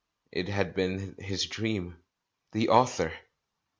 It had been his dream. The author!